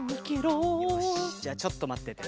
よしじゃあちょっとまってて。